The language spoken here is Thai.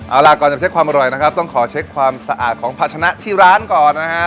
เอาล่ะก่อนจะไปเช็คความอร่อยนะครับต้องขอเช็คความสะอาดของภาชนะที่ร้านก่อนนะฮะ